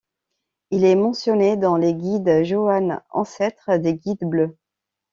Il est mentionné dans les Guides Joanne - ancêtre des Guides bleus.